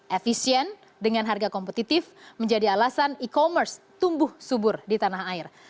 efisien dengan harga kompetitif menjadi alasan e commerce tumbuh subur di tanah air